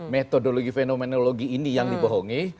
metodologi fenomenologi ini yang dibohongi